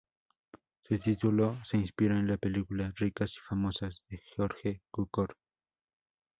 Su título se inspira en la película "Ricas y famosas" de George Cukor.